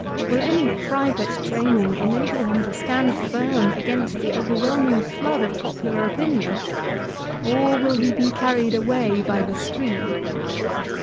Will any private training enable him to stand firm against the overwhelming flood of popular opinion? or will he be carried away by the stream?